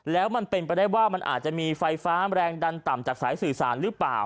แล้วมันเป็นไปได้ว่ามันอาจจะมีไฟฟ้าแรงดันต่ำจากสายสื่อสารหรือเปล่า